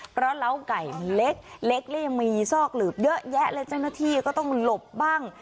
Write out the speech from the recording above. เพราะเล้าไก่มันเล็กเล็กและยังมีซอกหลืบเยอะแยะเลยเจ้าหน้าที่ก็ต้องหลบบ้าง